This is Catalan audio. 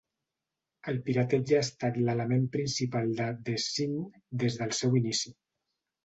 El pirateig ha estat l'element principal de The Scene des del seu inici.